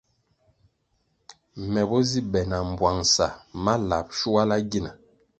Me bo zi be na bwangʼsa ma lab shuala gina.